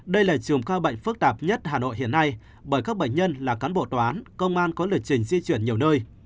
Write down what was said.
đây là trùng ca bệnh phức tạp nhất hà nội hiện nay bởi các bệnh nhân là cán bộ toán công an có lịch trình di chuyển nhiều nơi